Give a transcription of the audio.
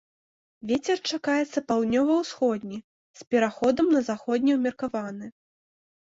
Вецер чакаецца паўднёва-ўсходні з пераходам на заходні ўмеркаваны.